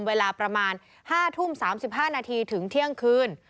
เวลาประมาณ๕ทุ่ม๓๕นาทีถึงเที่ยงคืน